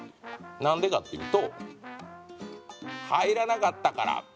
なんでかっていうと「入らなかったから」。